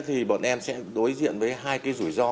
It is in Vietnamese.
thì bọn em sẽ đối diện với hai cái rủi ro